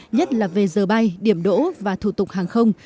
nhất là về giờ bay điểm đỗ và thủ tục hàng không